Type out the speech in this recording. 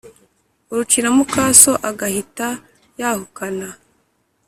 • urucira mukaso agahita yahukana